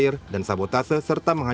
insya allah akan kita penuhi